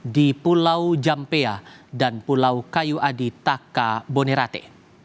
di pulau jampea dan pulau kayu adi taka bonerate